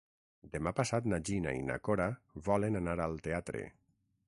Demà passat na Gina i na Cora volen anar al teatre.